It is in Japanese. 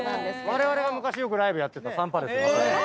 われわれが昔よくライブやってたサンパレスが。